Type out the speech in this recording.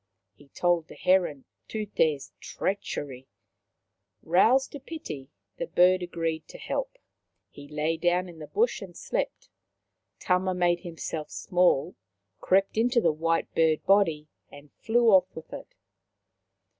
He told the heron Tut6's treachery. Roused to pity, the bird agreed to help. He lay down in the bush and slept. Tama made himself small, crept into the white bird body, and flew off with it.